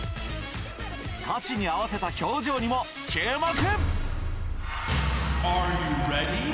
歌詞に合わせた表情にも注目。